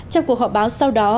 trong cuộc họp báo sau đó